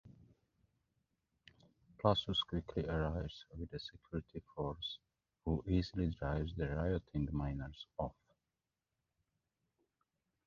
Plasus quickly arrives with a security force, who easily drives the rioting miners off.